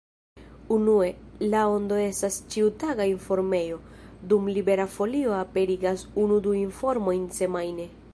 Unue, La Ondo estas ĉiutaga informejo, dum Libera Folio aperigas unu-du informojn semajne.